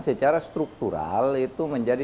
secara struktural itu menjadi